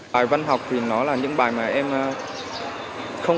bài văn học thì nó là những bài mà em không